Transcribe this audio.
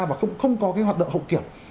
và cũng không có cái hoạt động hậu kiểm